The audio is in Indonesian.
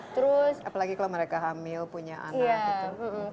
terus apalagi kalau mereka hamil punya anak gitu